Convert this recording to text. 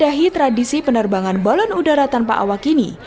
diahi tradisi penerbangan balon udara tanpa awak ini